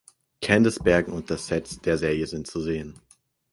Candice Bergen und das Set der Serie sind zu sehen.